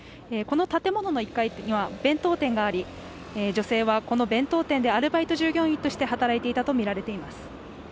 この建物の１階には弁当店があり女性はこの弁当店でアルバイト従業員として働いていたとみられています。